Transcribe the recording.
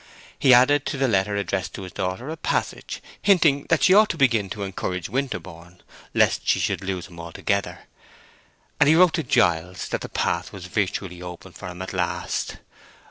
He added to the letter addressed to his daughter a passage hinting that she ought to begin to encourage Winterborne, lest she should lose him altogether; and he wrote to Giles that the path was virtually open for him at last.